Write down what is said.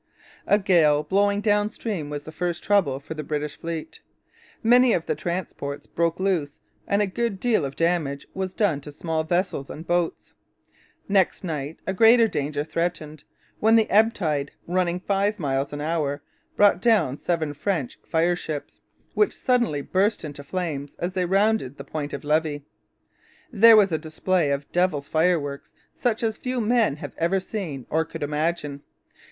A gale blowing down stream was the first trouble for the British fleet. Many of the transports broke loose and a good deal of damage was done to small vessels and boats. Next night a greater danger threatened, when the ebb tide, running five miles an hour, brought down seven French fireships, which suddenly burst into flame as they rounded the Point of Levy. There was a display of devil's fireworks such as few men have ever seen or could imagine.